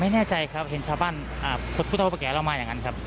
ไม่แน่ใจครับเห็นชาวบ้านพุทธแก่เรามาอย่างนั้นครับ